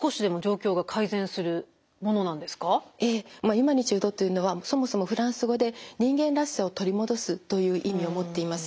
ユマニチュードというのはそもそもフランス語で人間らしさを取り戻すという意味を持っています。